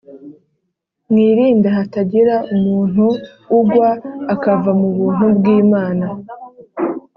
Mwirinde hatagira umuntu ugwa akava mu buntu bw'Imana,